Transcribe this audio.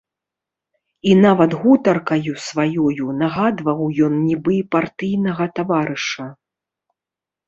І нават гутаркаю сваёю нагадваў ён нібы партыйнага таварыша.